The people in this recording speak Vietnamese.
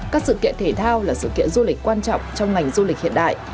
các sự kiện thể thao là sự kiện du lịch quan trọng trong ngành du lịch hiện đại